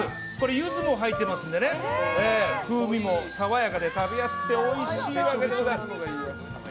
ゆずも入ってますので風味も爽やかで食べやすくておいしいわけでございます。